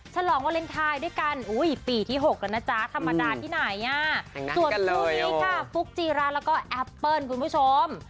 ส่วนคู่นี้ค่ะฟุกจีรัสแล้วก็แอปเปิ้ลคุณผู้ชม